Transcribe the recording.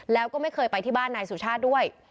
แล้วก็ไม่เคยไปที่บ้านนายสุชาติด้วย